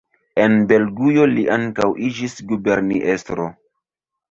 En Belgujo li ankaŭ iĝis guberniestro.